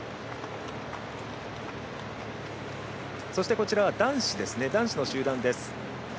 こちらは男子の集団です。